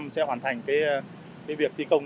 sẽ hoàn thành việc thi công